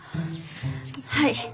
はい。